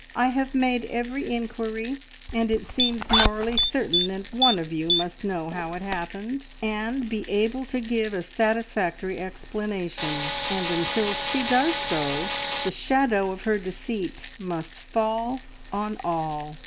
I have made every inquiry, and it seems morally certain that one of you must know how it happened, and be able to give a satisfactory explanation; and until she does so, the shadow of her deceit must fall on all.